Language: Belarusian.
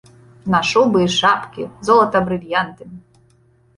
На шубы і шапкі, золата-брыльянты.